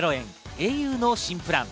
ａｕの新プラン。